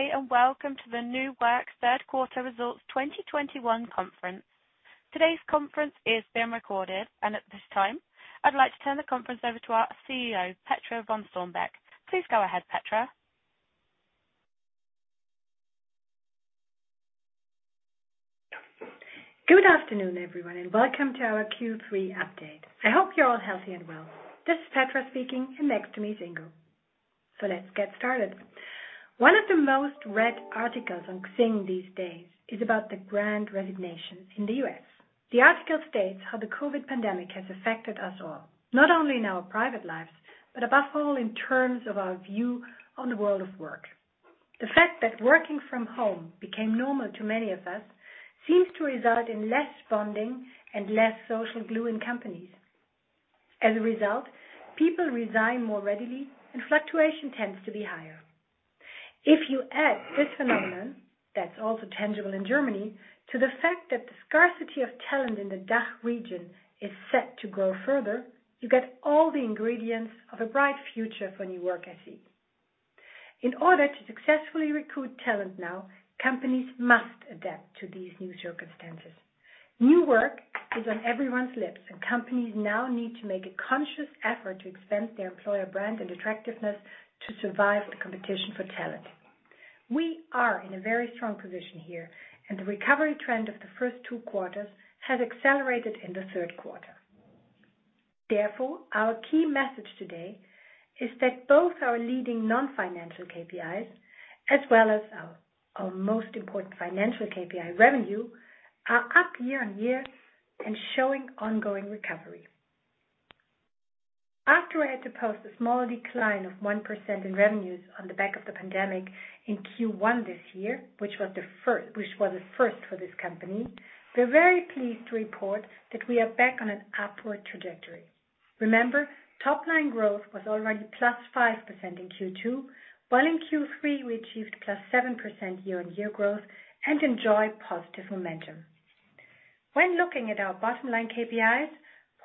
Good day and welcome to the New Work third quarter results 2021 conference. Today's conference is being recorded, and at this time, I'd like to turn the conference over to our CEO, Petra von Strombeck. Please go ahead, Petra. Good afternoon, everyone, and welcome to our Q3 update. I hope you're all healthy and well. This is Petra speaking and next to me, Ingo. Let's get started. One of the most-read articles on XING these days is about the Great Resignation in the U.S. The article states how the COVID pandemic has affected us all, not only in our private lives, but above all, in terms of our view on the world of work. The fact that working from home became normal to many of us seems to result in less bonding and less social glue in companies. As a result, people resign more readily and fluctuation tends to be higher. If you add this phenomenon that's also tangible in Germany to the fact that the scarcity of talent in the DACH region is set to grow further, you get all the ingredients of a bright future for New Work SE. In order to successfully recruit talent now, companies must adapt to these new circumstances. New Work is on everyone's lips, and companies now need to make a conscious effort to expand their employer brand and attractiveness to survive the competition for talent. We are in a very strong position here, and the recovery trend of the first two quarters has accelerated in the third quarter. Therefore, our key message today is that both our leading non-financial KPIs as well as our most important financial KPI revenue are up year-over-year and showing ongoing recovery. After we had to post a small decline of 1% in revenues on the back of the pandemic in Q1 this year, which was a first for this company, we're very pleased to report that we are back on an upward trajectory. Remember, top-line growth was already +5% in Q2, while in Q3 we achieved +7% year-on-year growth and enjoyed positive momentum. When looking at our bottom-line KPIs,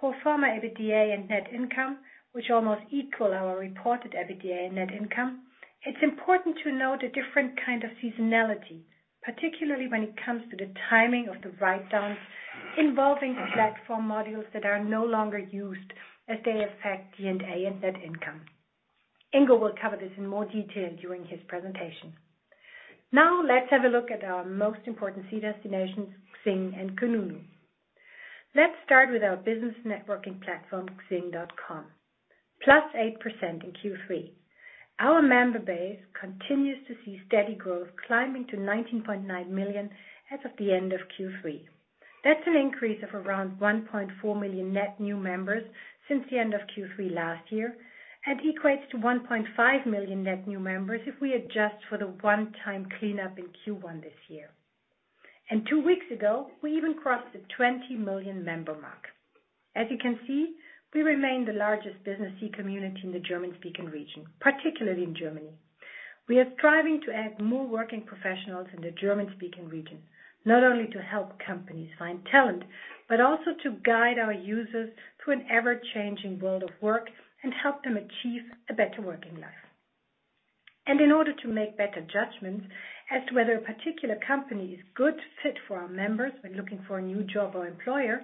pro forma EBITDA and net income, which almost equal our reported EBITDA and net income, it's important to note a different kind of seasonality, particularly when it comes to the timing of the write-downs involving platform modules that are no longer used as they affect D&A and net income. Ingo will cover this in more detail during his presentation. Now let's have a look at our most important core destinations, XING and kununu. Let's start with our business networking platform, xing.com, +8% in Q3. Our member base continues to see steady growth climbing to 19.9 million as of the end of Q3. That's an increase of around 1.4 million net new members since the end of Q3 last year and equates to 1.5 million net new members if we adjust for the one-time cleanup in Q1 this year. Two weeks ago, we even crossed the 20 million member mark. As you can see, we remain the largest business networking community in the German-speaking region, particularly in Germany. We are striving to add more working professionals in the German-speaking region, not only to help companies find talent, but also to guide our users through an ever-changing world of work and help them achieve a better working life. In order to make better judgments as to whether a particular company is a good fit for our members when looking for a new job or employer,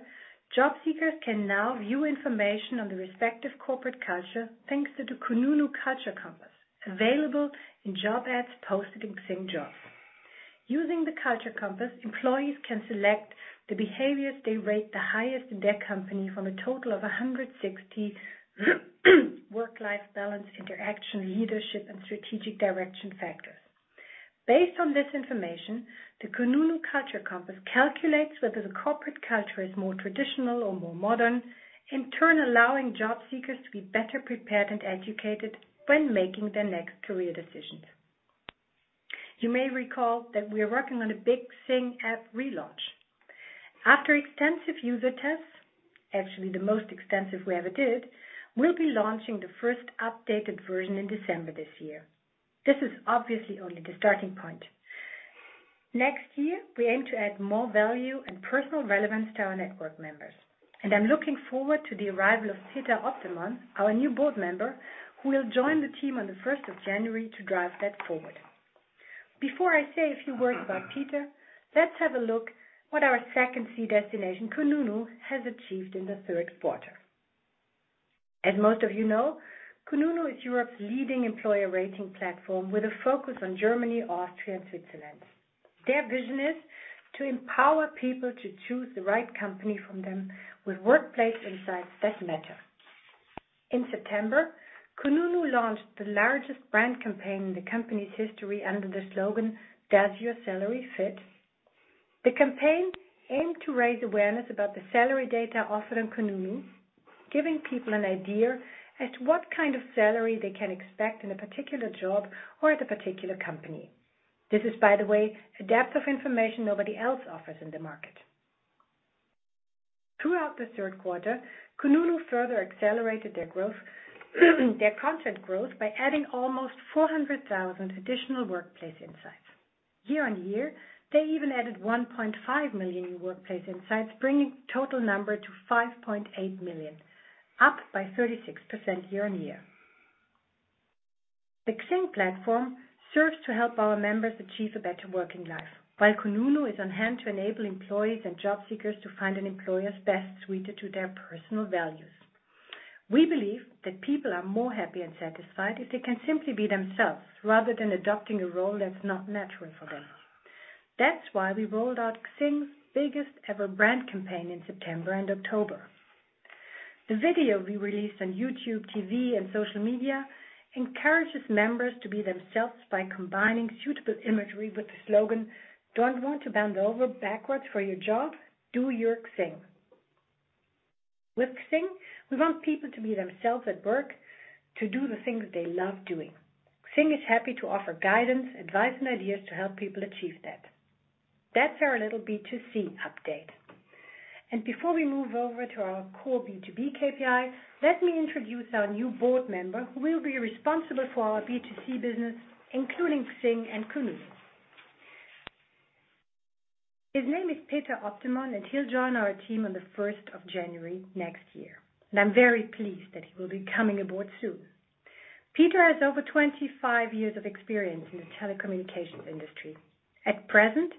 job seekers can now view information on the respective corporate culture, thanks to the kununu Culture Compass available in job ads posted in XING Jobs. Using the Culture Compass, employees can select the behaviors they rate the highest in their company from a total of 160 work-life balance, interaction, leadership, and strategic direction factors. Based on this information, the kununu Culture Compass calculates whether the corporate culture is more traditional or more modern, in turn allowing job seekers to be better prepared and educated when making their next career decisions. You may recall that we are working on a big XING app relaunch. After extensive user tests, actually the most extensive we ever did, we'll be launching the first updated version in December this year. This is obviously only the starting point. Next year we aim to add more value and personal relevance to our network members, and I'm looking forward to the arrival of Peter Oppermann, our new board member, who will join the team on the first of January to drive that forward. Before I say a few words about Peter, let's have a look what our second core destination, kununu, has achieved in the third quarter. As most of you know, kununu is Europe's leading employer rating platform with a focus on Germany, Austria, and Switzerland. Their vision is to empower people to choose the right company for them with workplace insights that matter. In September, kununu launched the largest brand campaign in the company's history under the slogan, "Does your salary fit?" The campaign aimed to raise awareness about the salary data offered on kununu, giving people an idea as to what kind of salary they can expect in a particular job or at a particular company. This is, by the way, a depth of information nobody else offers in the market. Throughout the third quarter, kununu further accelerated their growth, their content growth by adding almost 400,000 additional workplace insights. Year-on-year, they even added 1.5 million new workplace insights, bringing total number to 5.8 million, up by 36% year-on-year. The XING platform serves to help our members achieve a better working life, while kununu is on hand to enable employees and job seekers to find an employer best suited to their personal values. We believe that people are more happy and satisfied if they can simply be themselves rather than adopting a role that's not natural for them. That's why we rolled out XING's biggest ever brand campaign in September and October. The video we released on YouTube, TV, and social media encourages members to be themselves by combining suitable imagery with the slogan, "Don't want to bend over backwards for your job? Do your XING." With XING, we want people to be themselves at work, to do the things they love doing. XING is happy to offer guidance, advice, and ideas to help people achieve that. That's our little B2C update. Before we move over to our core B2B KPI, let me introduce our new board member who will be responsible for our B2C business, including XING and kununu. His name is Peter Oppermann, and he'll join our team on the first of January next year. I'm very pleased that he will be coming aboard soon. Peter has over 25 years of experience in the telecommunications industry. At present,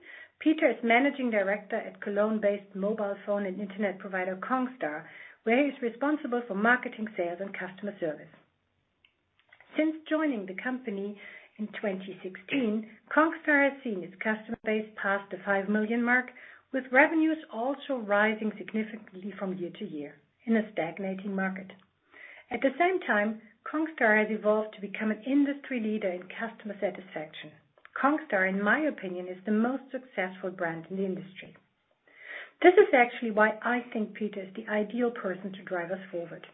Peter is Managing Director at Cologne-based mobile phone and internet provider, congstar, where he's responsible for marketing, sales, and customer service. Since joining the company in 2016, congstar has seen its customer base pass the 5 million mark, with revenues also rising significantly from year to year in a stagnating market. At the same time, congstar has evolved to become an industry leader in customer satisfaction. Congstar, in my opinion, is the most successful brand in the industry. This is actually why I think Peter is the ideal person to drive us forward.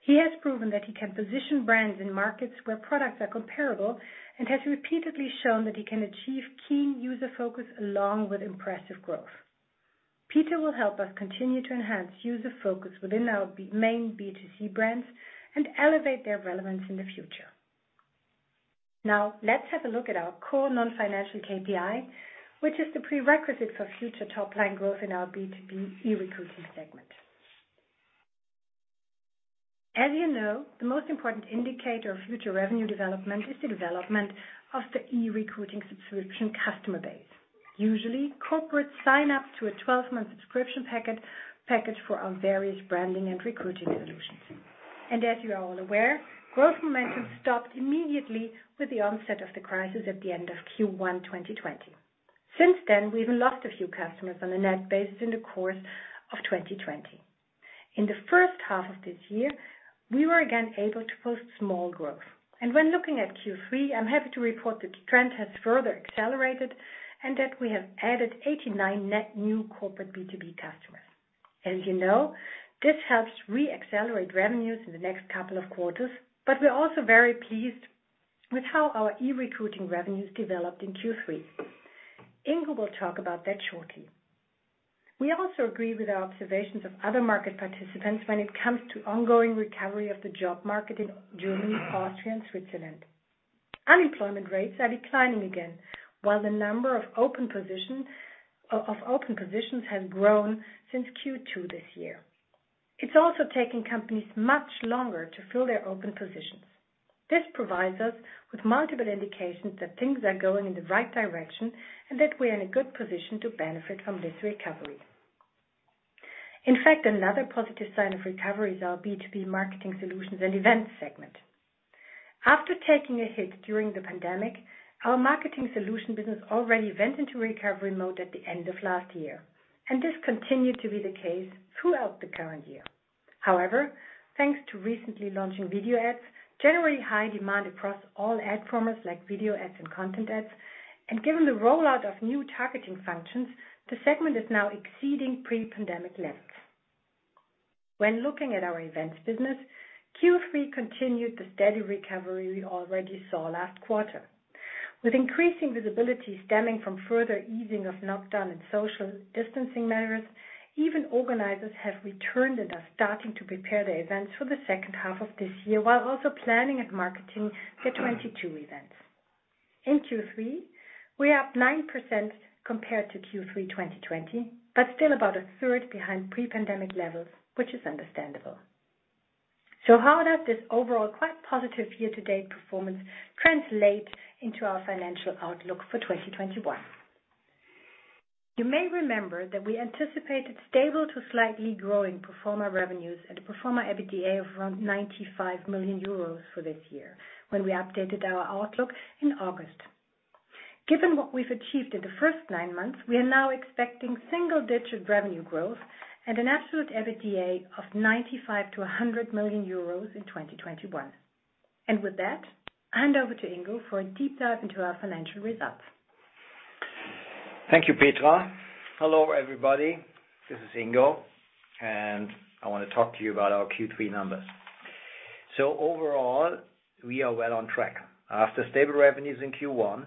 He has proven that he can position brands in markets where products are comparable and has repeatedly shown that he can achieve key user focus along with impressive growth. Peter will help us continue to enhance user focus within our main B2C brands and elevate their relevance in the future. Now, let's have a look at our core non-financial KPI, which is the prerequisite for future top line growth in our B2B e-recruiting segment. As you know, the most important indicator of future revenue development is the development of the e-recruiting subscription customer base. Usually, corporates sign up to a 12-month subscription package for our various branding and recruiting solutions. As you are all aware, growth momentum stopped immediately with the onset of the crisis at the end of Q1 2020. Since then, we've lost a few customers on a net basis in the course of 2020. In the first half of this year, we were again able to post small growth. When looking at Q3, I'm happy to report that the trend has further accelerated and that we have added 89 net new corporate B2B customers. As you know, this helps re-accelerate revenues in the next couple of quarters, but we're also very pleased with how our e-recruiting revenues developed in Q3. Ingo will talk about that shortly. We also agree with our observations of other market participants when it comes to ongoing recovery of the job market in Germany, Austria, and Switzerland. Unemployment rates are declining again, while the number of open positions has grown since Q2 this year. It's also taking companies much longer to fill their open positions. This provides us with multiple indications that things are going in the right direction and that we're in a good position to benefit from this recovery. In fact, another positive sign of recovery is our B2B marketing solutions and events segment. After taking a hit during the pandemic, our marketing solution business already went into recovery mode at the end of last year, and this continued to be the case throughout the current year. However, thanks to recently launching video ads, generally high demand across all ad formats like video ads and content ads, and given the rollout of new targeting functions, the segment is now exceeding pre-pandemic levels. When looking at our events business, Q3 continued the steady recovery we already saw last quarter. With increasing visibility stemming from further easing of lockdown and social distancing measures, even organizers have returned and are starting to prepare their events for the second half of this year, while also planning and marketing their 2022 events. In Q3, we're up 9% compared to Q3 2020, but still about a third behind pre-pandemic levels, which is understandable. How does this overall quite positive year-to-date performance translate into our financial outlook for 2021? You may remember that we anticipated stable to slightly growing pro forma revenues and a pro forma EBITDA of around 95 million euros for this year when we updated our outlook in August. Given what we've achieved in the first nine months, we are now expecting single-digit revenue growth and an absolute EBITDA of 95 million-100 million euros in 2021. With that, I hand over to Ingo for a deep dive into our financial results. Thank you, Petra. Hello, everybody. This is Ingo, and I want to talk to you about our Q3 numbers. Overall, we are well on track. After stable revenues in Q1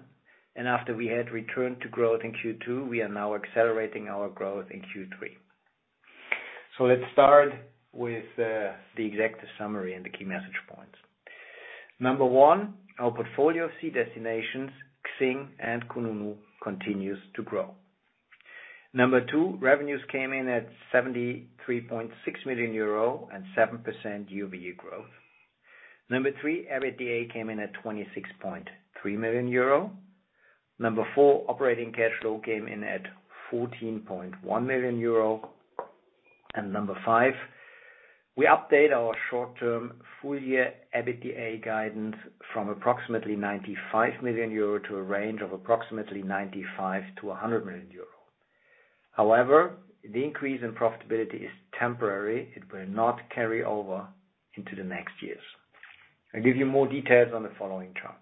and after we had returned to growth in Q2, we are now accelerating our growth in Q3. Let's start with the executive summary and the key message points. Number one, our portfolio of core destinations, XING and kununu continues to grow. Number two, revenues came in at 73.6 million euro and 7% YoY growth. Number three, EBITDA came in at 26.3 million euro. Number four, operating cash flow came in at 14.1 million euro. Number five, we update our short-term full year EBITDA guidance from approximately 95 million euro to a range of approximately 95 million-100 million euro. However, the increase in profitability is temporary. It will not carry over into the next years. I'll give you more details on the following charts.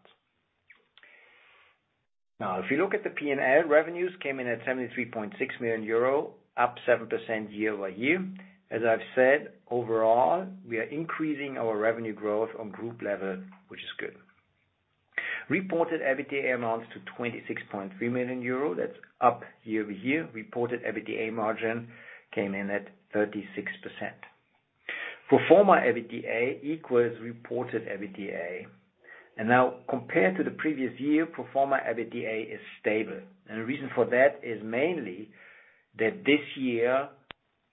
Now, if you look at the P&L, revenues came in at 73.6 million euro, up 7% year-over-year. As I've said, overall, we are increasing our revenue growth on group level, which is good. Reported EBITDA amounts to 26.3 million euro. That's up year-over-year. Reported EBITDA margin came in at 36%. Pro forma EBITDA equals reported EBITDA. Now compared to the previous year, pro forma EBITDA is stable. The reason for that is mainly that this year,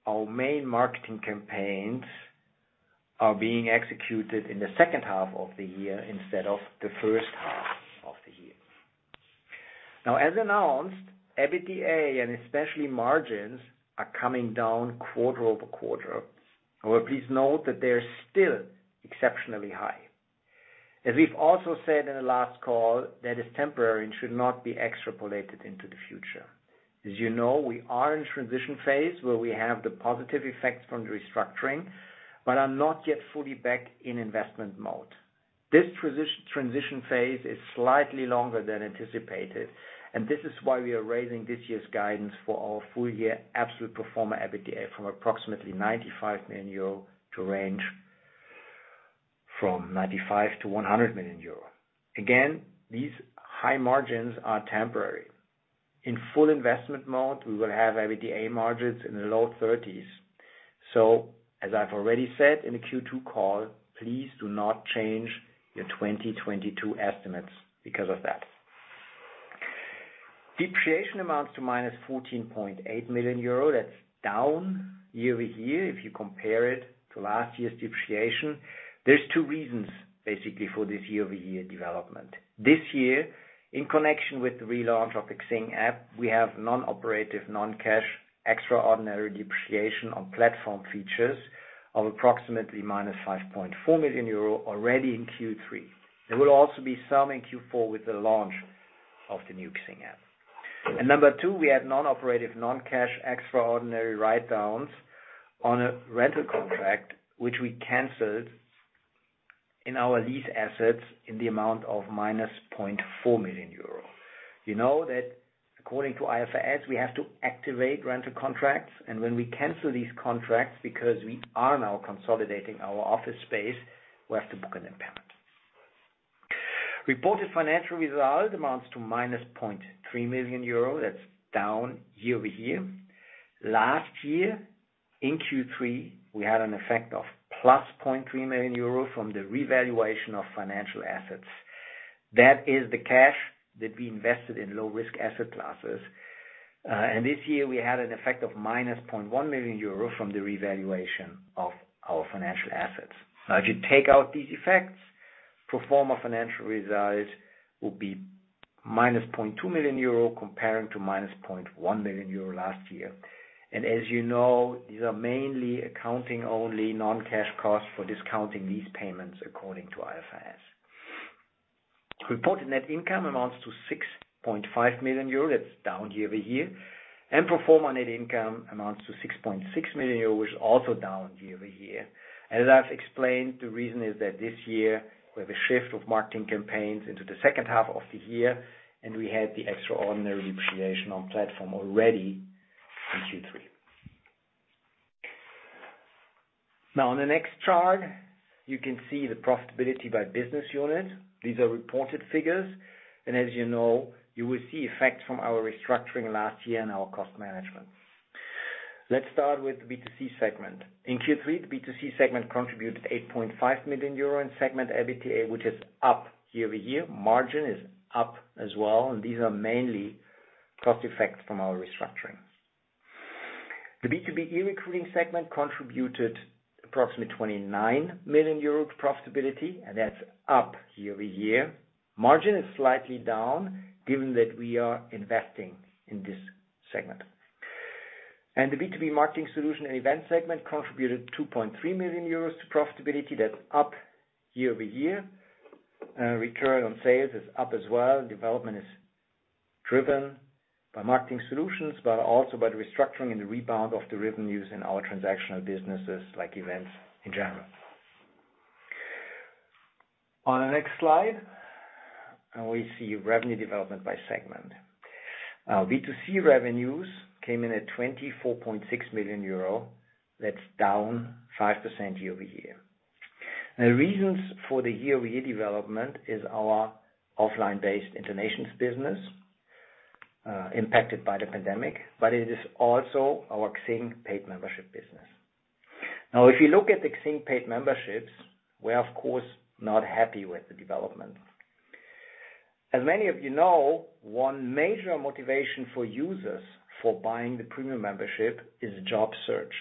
our main marketing campaigns are being executed in the second half of the year instead of the first half of the year. Now, as announced, EBITDA, and especially margins, are coming down quarter-over-quarter. However, please note that they're still exceptionally high. As we've also said in the last call, that is temporary and should not be extrapolated into the future. As you know, we are in transition phase where we have the positive effects from the restructuring, but are not yet fully back in investment mode. This transition phase is slightly longer than anticipated, and this is why we are raising this year's guidance for our full year absolute pro forma EBITDA from approximately 95 million euro to range from 95 million-100 million euro. Again, these high margins are temporary. In full investment mode, we will have EBITDA margins in the low 30s%. As I've already said in the Q2 call, please do not change your 2022 estimates because of that. Depreciation amounts to -14.8 million euro. That's down year-over-year if you compare it to last year's depreciation. There's two reasons, basically, for this year-over-year development. This year, in connection with the relaunch of XING app, we have non-operative, non-cash extraordinary depreciation on platform features of approximately -5.4 million euro already in Q3. There will also be some in Q4 with the launch of the new XING app. Number two, we had non-operative, non-cash extraordinary write-downs on a rental contract, which we canceled in our lease assets in the amount of -0.4 million euro. You know that according to IFRS, we have to activate rental contracts, and when we cancel these contracts, because we are now consolidating our office space, we have to book an impairment. Reported financial result amounts to -0.3 million euro. That's down year-over-year. Last year in Q3, we had an effect of plus 0.3 million euro from the revaluation of financial assets. That is the cash that we invested in low-risk asset classes. This year, we had an effect of minus 0.1 million euro from the revaluation of our financial assets. Now, if you take out these effects, pro forma financial results will be minus 0.2 million euro comparing to minus 0.1 million euro last year. As you know, these are mainly accounting only non-cash costs for discounting these payments according to IFRS. Reported net income amounts to 6.5 million euro. That's down year-over-year. Pro forma net income amounts to 6.6 million euro, which is also down year-over-year. As I've explained, the reason is that this year we have a shift of marketing campaigns into the second half of the year, and we had the extraordinary depreciation on platform already in Q3. Now, on the next chart, you can see the profitability by business unit. These are reported figures, and as you know, you will see effects from our restructuring last year and our cost management. Let's start with the B2C segment. In Q3, the B2C segment contributed 8.5 million euro in segment EBITDA, which is up year-over-year. Margin is up as well, and these are mainly cost effects from our restructuring. The B2B e-recruiting segment contributed approximately 29 million euros profitability, and that's up year-over-year. Margin is slightly down given that we are investing in this segment. The B2B Marketing Solutions and Events segment contributed 2.3 million euros to profitability. That's up year-over-year. Return on sales is up as well. Development is driven by marketing solutions, but also by the restructuring and the rebound of the revenues in our transactional businesses like events in general. On the next slide, we see revenue development by segment. B2C revenues came in at 24.6 million euro. That's down 5% year-over-year. The reasons for the year-over-year development is our offline-based international business, impacted by the pandemic, but it is also our XING paid membership business. Now, if you look at the XING paid memberships, we're of course not happy with the development. As many of you know, one major motivation for users for buying the premium membership is job search.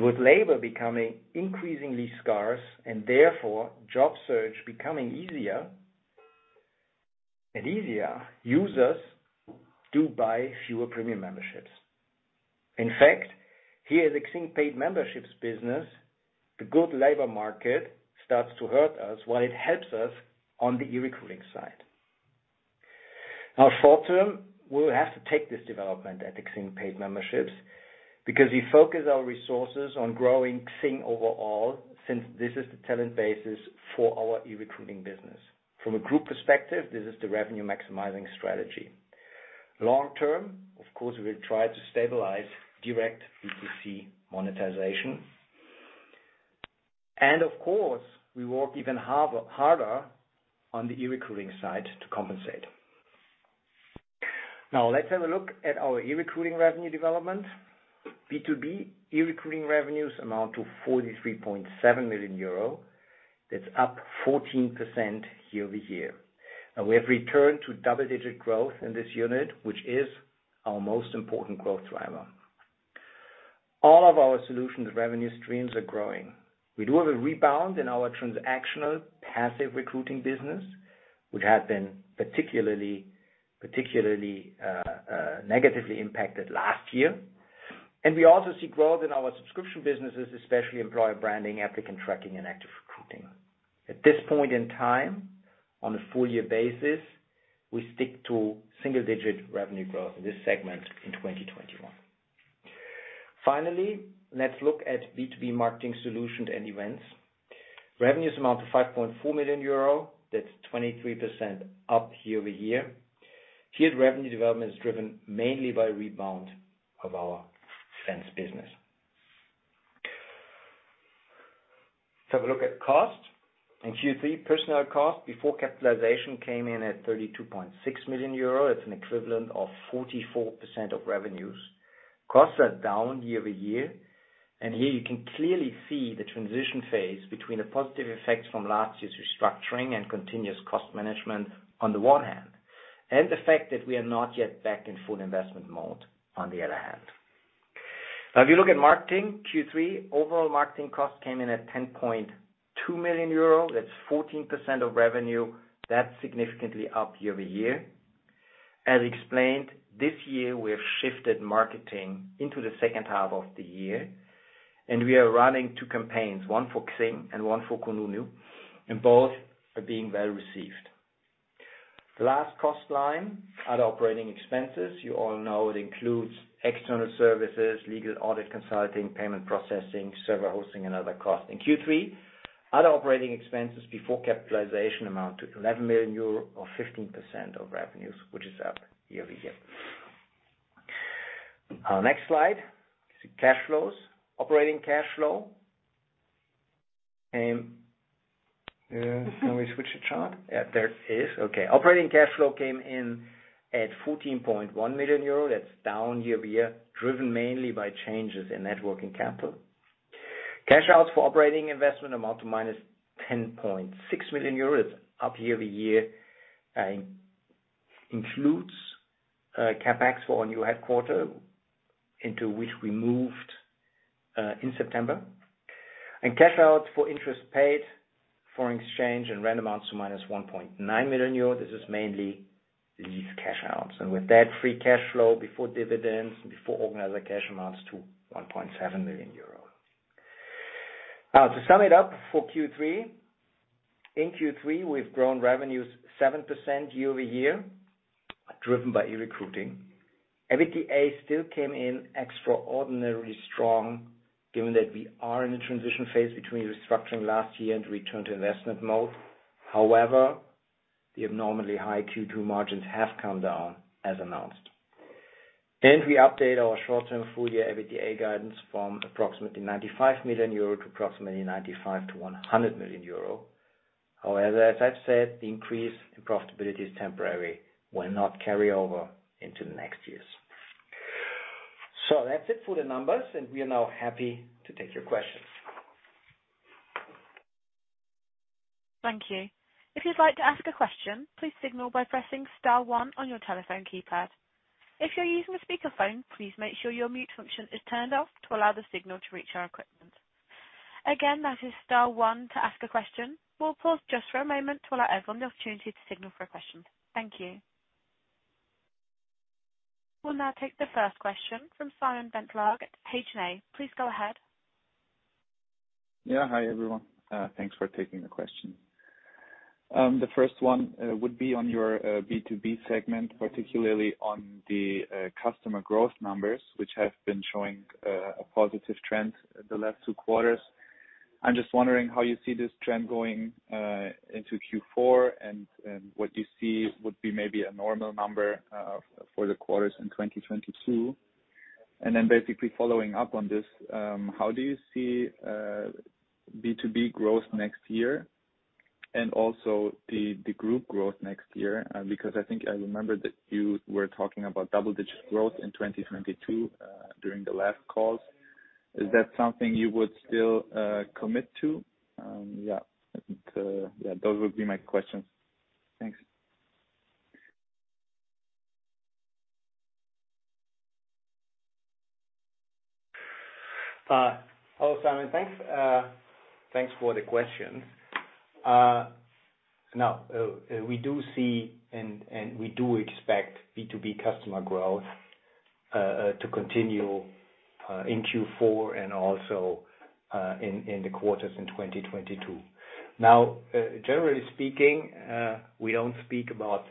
With labor becoming increasingly scarce and therefore job search becoming easier and easier, users do buy fewer premium memberships. In fact, here at XING paid memberships business, the good labor market starts to hurt us while it helps us on the e-recruiting side. Now short term, we'll have to take this development at the XING paid memberships because we focus our resources on growing XING overall, since this is the talent basis for our e-recruiting business. From a group perspective, this is the revenue maximizing strategy. Long term, of course, we will try to stabilize direct B2C monetization. Of course, we work even harder on the e-recruiting side to compensate. Now let's have a look at our e-recruiting revenue development. B2B e-recruiting revenues amount to 43.7 million euro. That's up 14% year-over-year. Now we have returned to double-digit growth in this unit, which is our most important growth driver. All of our solutions revenue streams are growing. We do have a rebound in our transactional passive recruiting business, which had been particularly negatively impacted last year. We also see growth in our subscription businesses, especially Employer Branding, applicant tracking, and active recruiting. At this point in time, on a full year basis, we stick to single-digit revenue growth in this segment in 2021. Finally, let's look at B2B marketing solutions and events. Revenues amount to 5.4 million euro. That's 23% up year-over-year. Here, the revenue development is driven mainly by rebound of our events business. Let's have a look at cost. In Q3, personnel cost before capitalization came in at 32.6 million euro. It's an equivalent of 44% of revenues. Costs are down year-over-year, and here you can clearly see the transition phase between the positive effects from last year's restructuring and continuous cost management on the one hand, and the fact that we are not yet back in full investment mode on the other hand. Now, if you look at marketing, Q3, overall marketing costs came in at 10.2 million euro. That's 14% of revenue. That's significantly up year-over-year. As explained, this year, we have shifted marketing into the second half of the year, and we are running two campaigns, one for XING and one for kununu, and both are being well received. The last cost line, other operating expenses. You all know it includes external services, legal, audit, consulting, payment processing, server hosting, and other costs. In Q3, other operating expenses before capitalization amount to 11 million euro or 15% of revenues, which is up year-over-year. Next slide. Cash flows. Operating cash flow. Can we switch the chart? Yeah, there it is. Okay. Operating cash flow came in at 14.1 million euro. That's down year-over-year, driven mainly by changes in net working capital. Cash outs for operating investment amount to -10.6 million euros, up year-over-year. Includes CapEx for our new headquarters, into which we moved in September. Cash outs for interest paid, foreign exchange and rent amount to -1.9 million euro. This is mainly lease cash outs. With that, free cash flow before dividends and before financing cash amounts to 1.7 million euros. Now to sum it up for Q3. In Q3, we've grown revenues 7% year-over-year, driven by e-recruiting. EBITDA still came in extraordinarily strong given that we are in a transition phase between restructuring last year and return to investment mode. However, the abnormally high Q2 margins have come down as announced. We update our short-term full year EBITDA guidance from approximately 95 million euro to approximately 95 million-100 million euro. However, as I've said, the increase in profitability is temporary, will not carry over into the next years. That's it for the numbers, and we are now happy to take your questions. Thank you. If you'd like to ask a question, please signal by pressing star one on your telephone keypad. If you're using a speakerphone, please make sure your mute function is turned off to allow the signal to reach our equipment. Again, that is star one to ask a question. We'll pause just for a moment to allow everyone the opportunity to signal for a question. Thank you. We'll now take the first question from Simon Bentlage at H&A. Please go ahead. Hi, everyone. Thanks for taking the question. The first one would be on your B2B segment, particularly on the customer growth numbers, which have been showing a positive trend the last two quarters. I'm just wondering how you see this trend going into Q4 and what you see would be maybe a normal number for the quarters in 2022. Basically following up on this, how do you see B2B growth next year and also the group growth next year? Because I think I remember that you were talking about double-digit growth in 2022 during the last calls. Is that something you would still commit to? Yeah, I think yeah, those would be my questions. Thanks. Hello, Simon. Thanks for the questions. Now, we see and we expect B2B customer growth to continue in Q4 and also in the quarters in 2022. Now, generally speaking, we don't speak about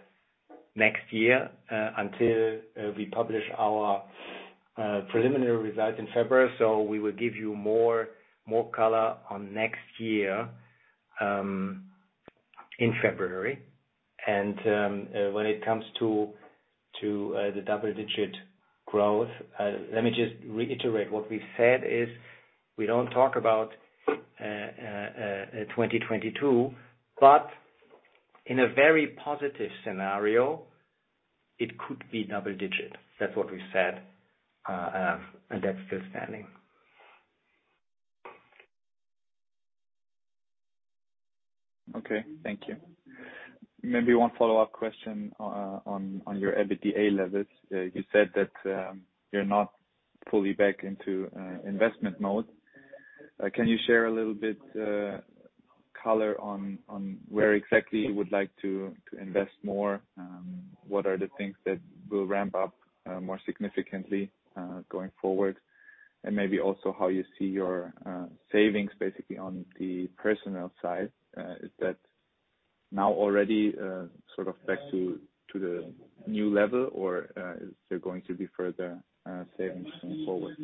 next year until we publish our preliminary results in February, so we will give you more color on next year in February. When it comes to the double-digit growth, let me just reiterate what we said is we don't talk about 2022. In a very positive scenario, it could be double-digit. That's what we said, and that's still standing. Okay. Thank you. Maybe one follow-up question on your EBITDA levels. You said that you're not fully back into investment mode. Can you share a little bit color on where exactly you would like to invest more? What are the things that will ramp up more significantly going forward? Maybe also how you see your savings basically on the personnel side. Is that now already sort of back to the new level? Or is there going to be further savings going forward?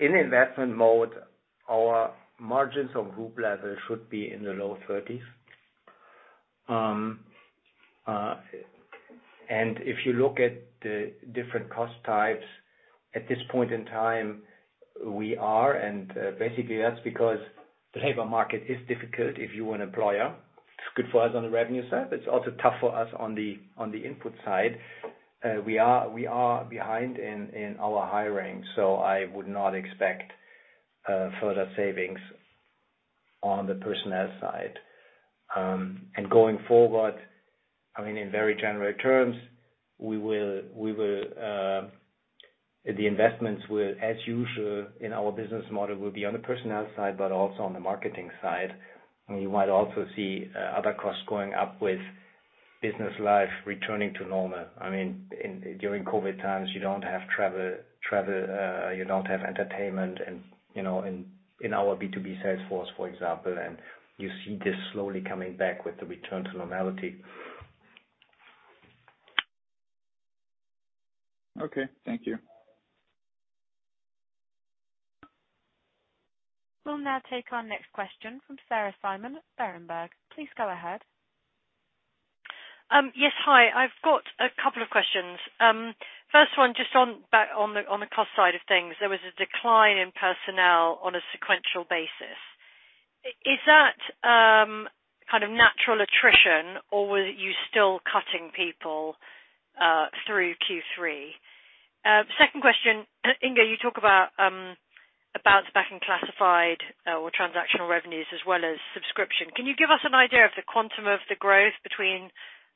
In investment mode, our margins on group level should be in the low 30s%. If you look at the different cost types, at this point in time, basically that's because the labor market is difficult if you're an employer. It's good for us on the revenue side. It's also tough for us on the input side. We are behind in our hiring, so I would not expect further savings on the personnel side. Going forward, I mean, in very general terms, the investments will, as usual in our business model, be on the personnel side but also on the marketing side. You might also see other costs going up with business life returning to normal. I mean, during COVID times, you don't have travel, you don't have entertainment and, you know, in our B2B sales force, for example, and you see this slowly coming back with the return to normality. Okay. Thank you. We'll now take our next question from Sarah Simon at Berenberg. Please go ahead. Yes. Hi. I've got a couple of questions. First one just on the cost side of things. There was a decline in personnel on a sequential basis. Is that kind of natural attrition, or were you still cutting people through Q3? Second question, Ingo, you talk about a bounce back in classified or transactional revenues as well as subscription. Can you give us an idea of the quantum of the growth between,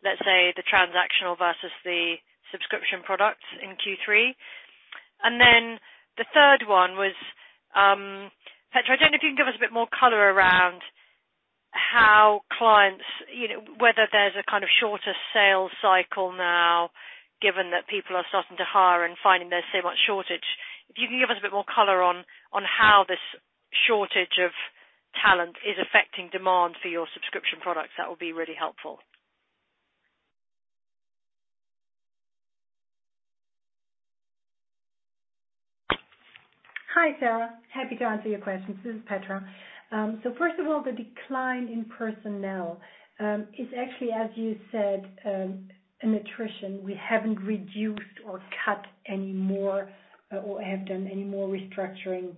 let's say, the transactional versus the subscription products in Q3? Then the third one was, Petra, I don't know if you can give us a bit more color around how clients, you know, whether there's a kind of shorter sales cycle now, given that people are starting to hire and finding there's so much shortage. If you can give us a bit more color on how this shortage of talent is affecting demand for your subscription products, that will be really helpful. Hi, Sarah. Happy to answer your questions. This is Petra. First of all, the decline in personnel is actually, as you said, an attrition. We haven't reduced or cut any more, or have done any more restructuring,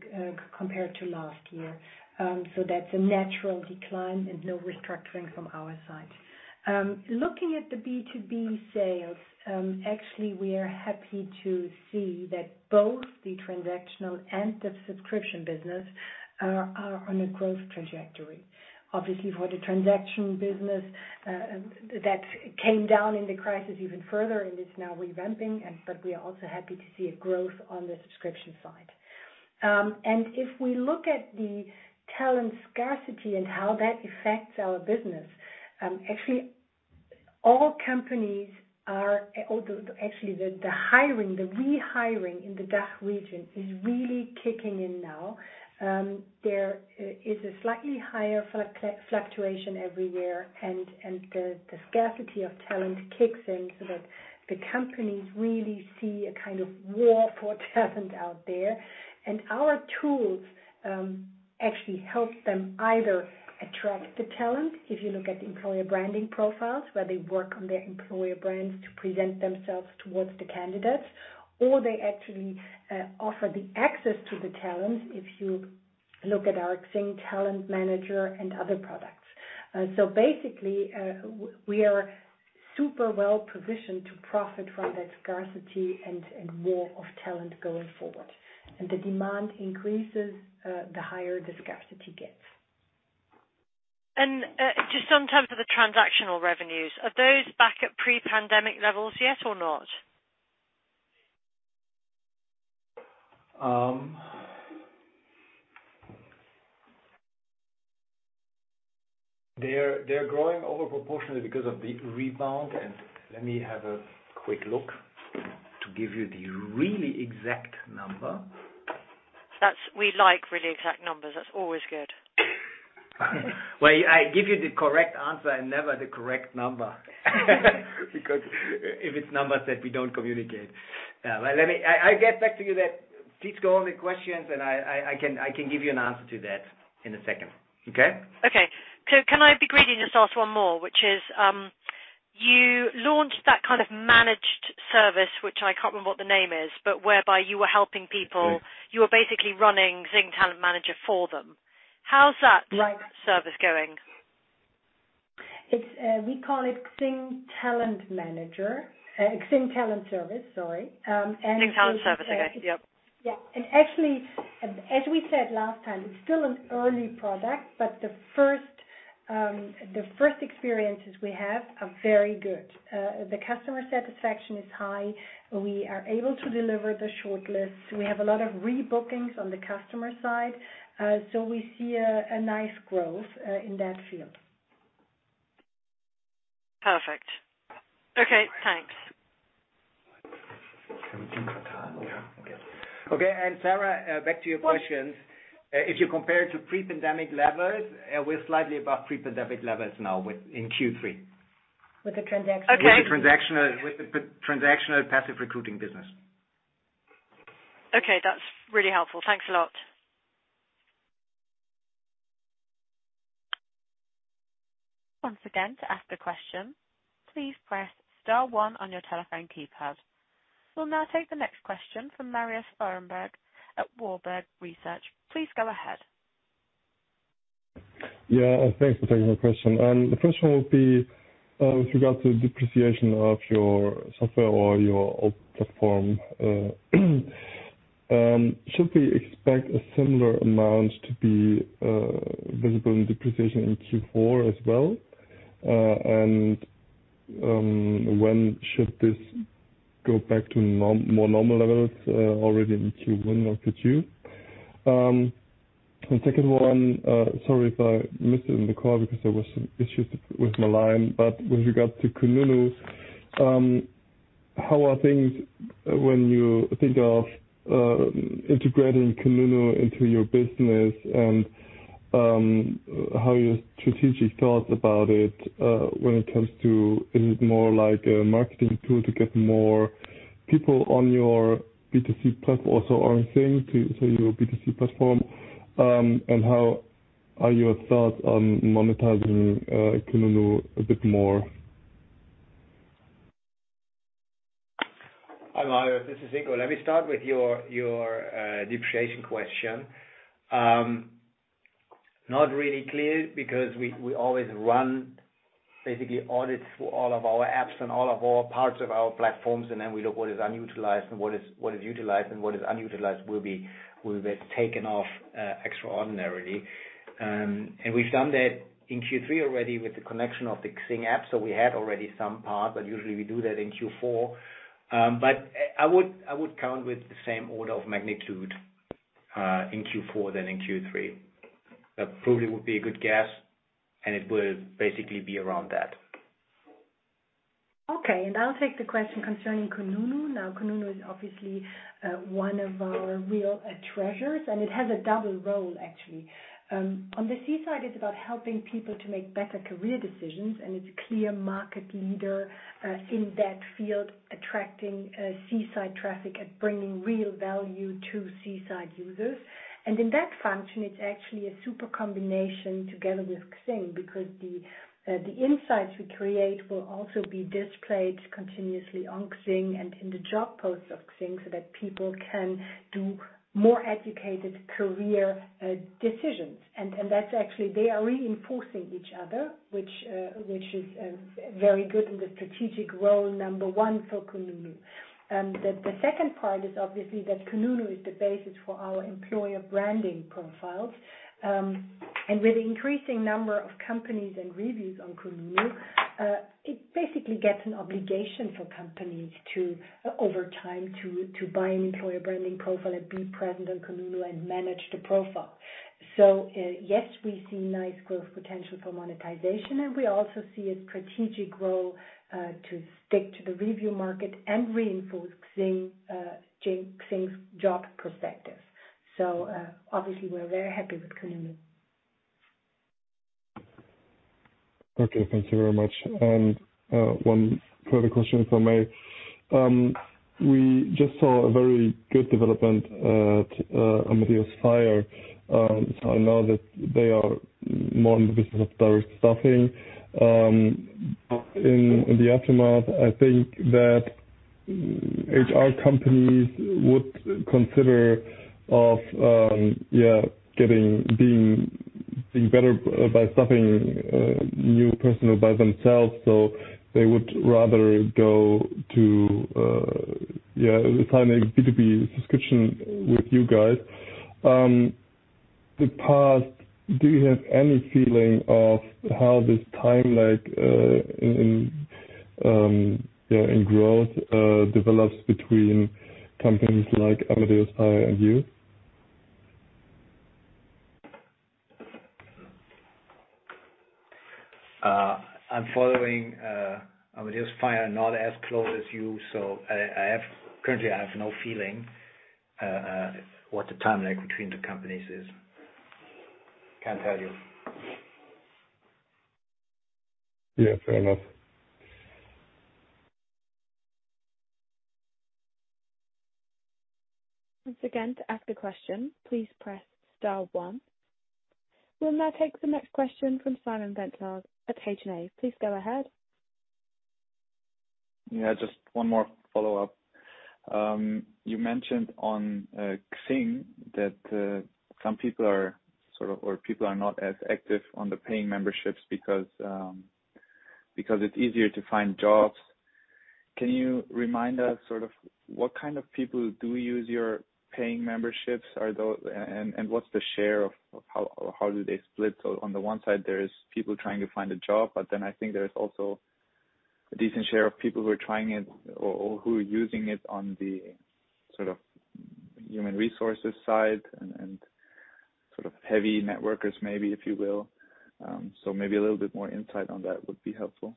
compared to last year. That's a natural decline and no restructuring from our side. Looking at the B2B sales, actually we are happy to see that both the transactional and the subscription business are on a growth trajectory. Obviously, for the transactional business, that came down in the crisis even further and is now revamping, but we are also happy to see a growth on the subscription side. If we look at the talent scarcity and how that affects our business, actually all companies are. Although actually, the hiring, rehiring in the DACH region is really kicking in now. There is a slightly higher fluctuation every year, and the scarcity of talent kicks in so that the companies really see a kind of war for talent out there. Our tools actually helps them either attract the talent, if you look at the Employer Branding profiles, where they work on their employer brands to present themselves toward the candidates, or they actually offer the access to the talent, if you look at our XING Talent Manager and other products. Basically, we are super well-positioned to profit from that scarcity and war of talent going forward. The demand increases, the higher the scarcity gets. Just on terms of the transactional revenues, are those back at pre-pandemic levels yet or not? They're growing over proportionally because of the rebound and let me have a quick look to give you the really exact number. We like really exact numbers. That's always good. Well, I give you the correct answer and never the correct number because if it's numbers that we don't communicate. Yeah. Let me, I'll get back to you that. Please go on with questions, and I can give you an answer to that in a second. Okay? Okay. Can I be greedy and just ask one more, which is, you launched that kind of managed service, which I can't remember what the name is, but whereby you were helping people. You were basically running XING Talent Manager for them. How's that service going? It's we call it XING Talent Manager. XING Talent Service, sorry. and- XING Talent Service, I guess. Yep. Yeah. Actually, as we said last time, it's still an early product, but the first experiences we have are very good. The customer satisfaction is high. We are able to deliver the short list. We have a lot of rebookings on the customer side. We see a nice growth in that field. Perfect. Okay. Thanks. Okay. Sarah, back to your questions. If you compare to pre-pandemic levels, we're slightly above pre-pandemic levels now in Q3. With the transactional. Okay. With the transactional passive recruiting business. Okay. That's really helpful. Thanks a lot. Once again, to ask the question, please press star one on your telephone keypad. We'll now take the next question from Marius Fuhrberg at Warburg Research. Please go ahead. Yeah. Thanks for taking my question. The first one will be, with regards to depreciation of your software or your platform. Should we expect a similar amount to be visible in depreciation in Q4 as well? When should this go back to normal levels? Already in Q1 or Q2? Second one, sorry if I missed it in the call because there was some issues with my line. With regards to kununu, how are things when you think of integrating kununu into your business and how are your strategic thoughts about it, when it comes to, is it more like a marketing tool to get more people on your B2C platform or so on XING to your B2C platform? How are your thoughts on monetizing kununu a bit more? Hi, Marius. This is Ingo. Let me start with your depreciation question. Not really clear because we always run basically audits for all of our apps and all of our parts of our platforms, and then we look what is unutilized and what is utilized, and what is unutilized will be taken off extraordinarily. We've done that in Q3 already with the connection of the XING app. So we had already some part, but usually we do that in Q4. I would count with the same order of magnitude in Q4 than in Q3. That probably would be a good guess, and it will basically be around that. Okay. I'll take the question concerning kununu. Now, kununu is obviously one of our real treasures, and it has a double role, actually. On the C-side, it's about helping people to make better career decisions, and it's a clear market leader in that field, attracting C-side traffic and bringing real value to C-side users. In that function, it's actually a super combination together with XING because the insights we create will also be displayed continuously on XING and in the job posts of XING so that people can do more educated career decisions. That's actually. They are reinforcing each other, which is very good in the strategic role number one for kununu. The second part is obviously that kununu is the basis for our Employer Branding profiles. With increasing number of companies and reviews on kununu, it basically gets an obligation for companies to, over time, buy an Employer Branding profile and be present on kununu and manage the profile. Yes, we see nice growth potential for monetization, and we also see a strategic role to stick to the review market and reinforce XING's job perspective. Obviously, we're very happy with kununu. Okay, thank you very much. One further question if I may. We just saw a very good development at Amadeus FiRe. I know that they are more in the business of direct staffing. In the aftermath, I think that HR companies would consider of yeah being better by staffing new personnel by themselves, so they would rather go to yeah sign a B2B subscription with you guys. In the past, do you have any feeling of how this time like in yeah in growth develops between companies like Amadeus FiRe and you? I'm following Amadeus FiRe not as close as you. Currently, I have no feeling what the time lag between the companies is. Can't tell you. Yeah, fair enough. We'll now take the next question from Simon Bentlage at H&A. Please go ahead. Yeah, just one more follow-up. You mentioned on XING that some people are not as active on the paying memberships because it's easier to find jobs. Can you remind us, sort of, what kind of people do use your paying memberships? What's the share of how they split? On the one side, there's people trying to find a job, but then I think there's also a decent share of people who are trying it or who are using it on the, sort of, human resources side and sort of heavy networkers maybe, if you will. Maybe a little bit more insight on that would be helpful.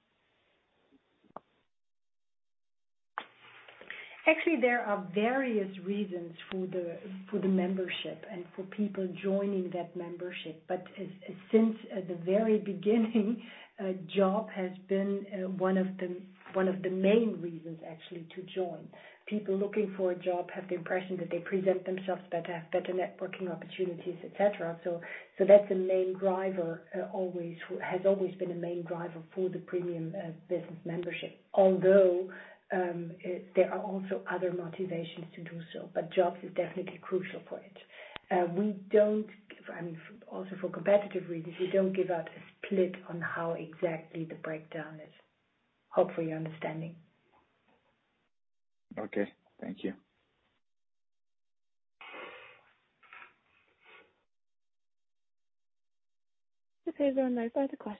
Actually, there are various reasons for the membership and for people joining that membership. Since the very beginning, a job has been one of the main reasons actually to join. People looking for a job have the impression that they present themselves better, have better networking opportunities, et cetera. That's the main driver, always has been a main driver for the premium business membership. Although, there are also other motivations to do so. Jobs is definitely crucial for it. We don't, I mean, also for competitive reasons, give out a split on how exactly the breakdown is. I hope for your understanding. Okay, thank you. Okay. There are no further questions.